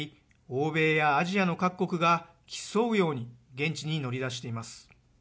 欧米やアジアの各国が競うように現地に乗り出しています。